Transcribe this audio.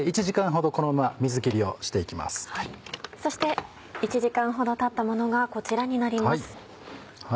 そして１時間ほどたったものがこちらになります。